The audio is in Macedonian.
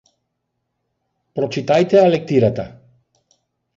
Прочитајте ја лектирата.